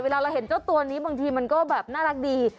เวลาเราเห็นเจ้าตัวนี้บางทีมันก็แบบน่ารักดี